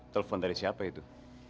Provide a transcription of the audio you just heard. telepon dari siapa itu